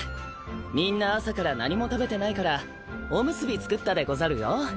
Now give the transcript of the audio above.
みんな朝から何も食べてないからおむすび作ったでござるよ。